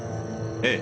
ええ。